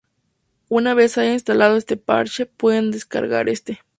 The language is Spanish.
Una vez haya instalado ese parche, puede descargar este.